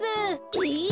えっ！？